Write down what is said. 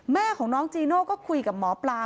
แม่ของน้องจีโน่ก็คุยกับหมอปลา